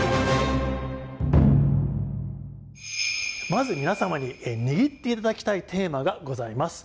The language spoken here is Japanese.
まず皆様に握っていただきたいテーマがございます。